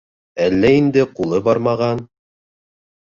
Әллә инде ҡулы бармаған...